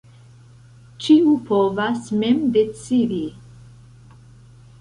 Ĉiu povas mem decidi.